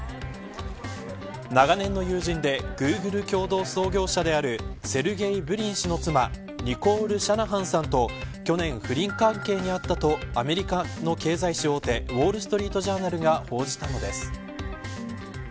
長年の友人でグーグル共同創業者であるセルゲイ・ブリン氏の妻ニコール・シャナハンさんと去年、不倫関係にあったとアメリカの経済紙大手ウォール・ストリート・ジャーナルが報じたのです。